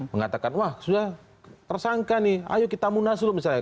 mengatakan wah sudah tersangka nih ayo kita munaslup misalnya